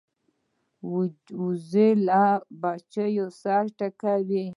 وزې له بچو سره تګ کوي